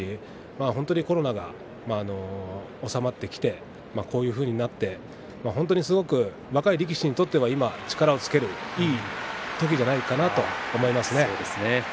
本当にコロナが収まってきてこういうふうになってきて本当にすごく若い力士にとっては力をつけるいい時ではないかと思います。